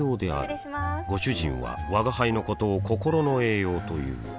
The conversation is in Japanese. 失礼しまーすご主人は吾輩のことを心の栄養という